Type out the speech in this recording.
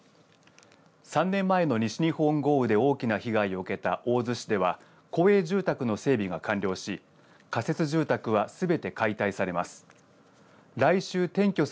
３年前の西日本豪雨で大きな被害を受けた大洲市では公営住宅の整備が完了し仮設住宅はすべて解体されます。